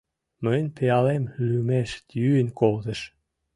Мыйын пиалем лӱмеш йӱын колтыш.